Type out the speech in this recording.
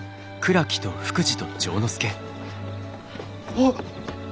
あっ！